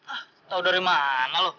ah tau dari mana lu